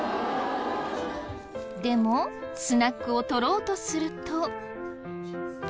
でもスナックを取ろうとすると。